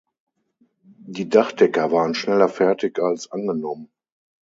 Die Dachdecker waren schneller fertig als angenommen.